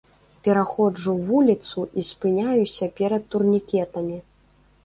Пераходжу вуліцу і спыняюся перад турнікетамі.